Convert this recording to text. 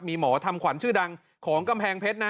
มีหมอทำขวัญชื่อดังของกำแพงเพชรนะ